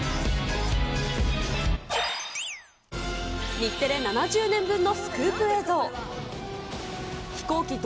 日テレ７０年分のスクープ映像。